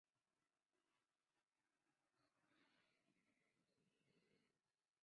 To the north of this was Buckhaven Saw Mills.